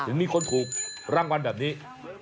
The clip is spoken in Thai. มีคนถูกรางวัลแบบนี้